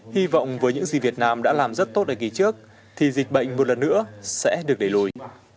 hy vọng với những gì việt nam đã làm rất tốt để kỳ trước thì dịch bệnh một lần nữa sẽ được đẩy lùi